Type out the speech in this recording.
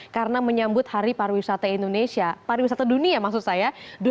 karena menyambut hari pariwisata indonesia pariwisata dunia maksud saya